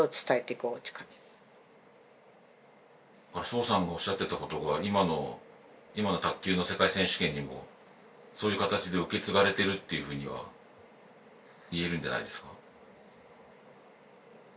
荘さんがおっしゃってたことが今の卓球の世界選手権にもそういう形で受け継がれてるっていうふうにはいえるんじゃないですか？